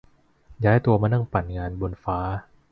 ย้ายตัวมานั่งปั่นงานบนฟ้า